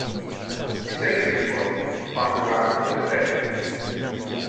Τι στέκεσαι λοιπόν, Πανουργάκο, κουτεντέ;